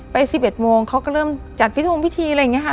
๑๑โมงเขาก็เริ่มจัดพิธงพิธีอะไรอย่างนี้ค่ะ